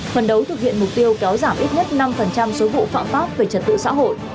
phần đấu thực hiện mục tiêu kéo giảm ít nhất năm số vụ phạm pháp về trật tự xã hội